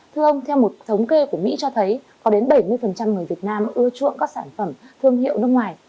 thưa ông theo một thống kê của mỹ cho thấy có đến bảy mươi người việt nam ưa chuộng các sản phẩm thương hiệu nước ngoài